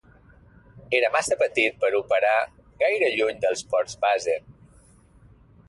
Era massa petit per operar gaire lluny dels ports base.